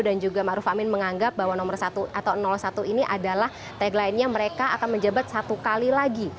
dan juga ma'ruf amin menganggap bahwa nomor satu atau satu ini adalah tagline nya mereka akan menjebat satu kali lagi